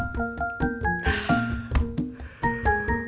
tunggu bentar ya kakak